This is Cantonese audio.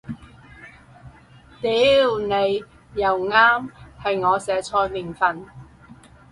屌你又啱，係我寫錯年份